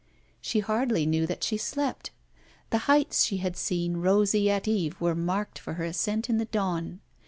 She hardly knew that she slept. The heights she had seen rosy at eve were marked for her ascent in the dawn.